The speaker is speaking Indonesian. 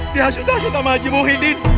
dihasut hasut sama haji muhyiddin